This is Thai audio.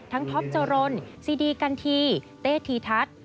ทั้งท็อปเจอร์รนซีดีกันทีเต้ธีทัศน์